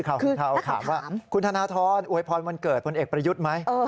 ข่าวถามว่าคุณธนทรอวยพรวันเกิดพลเอกประยุทธ์ไหม